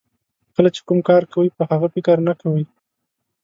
کله چې کوم کار کوئ په هغه فکر نه کوئ.